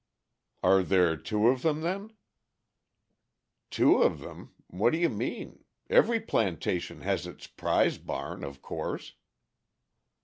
"Are there two of them then?" "Two of them? What do you mean? Every plantation has its prize barn, of course."